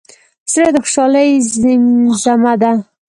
زړه د خوشحالۍ زیمزمه ده.